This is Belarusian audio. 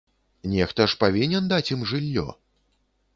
Нехта ж павінен даць ім жыллё!